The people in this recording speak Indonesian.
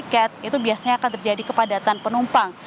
ada pemeriksaan tiket itu biasanya akan terjadi kepadatan penumpang